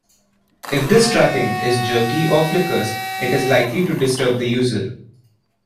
If this tracking is jerky or flickers it is likely to disturb the user.